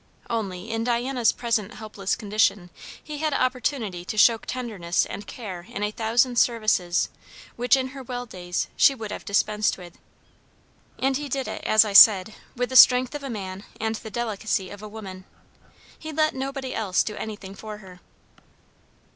Only, in Diana's present helpless condition, he had opportunity to show tenderness and care in a thousand services which in her well days she would have dispensed with. And he did it, as I said, with the strength of a man and the delicacy of a woman. He let nobody else do anything for her.